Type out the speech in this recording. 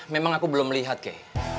memang aku belum liat kei